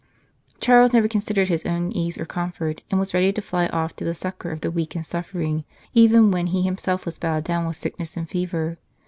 Charles never considered his own ease or com fort, and was ready to fly off to the succour of the weak and suffering, even when he himself was bowed down with sickness and fever.